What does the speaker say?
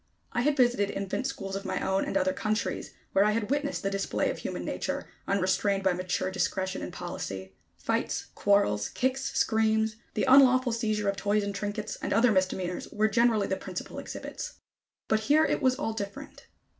I had visited infant schools of my own and other countries, where I had witnessed the display of human nature, unrestrained by mature discretion and policy. Fights, quarrels, kicks, screams, the unlawful seizure of toys and trinkets, and other misdemeanors, were generally the principal exhibits. But here it was all different.